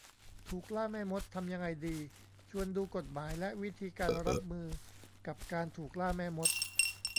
ถูกล่าแม่มด ทำยังไงดี ? ชวนดูกฎหมายและวิธีการรับมือกับการถูกล่าแม่มด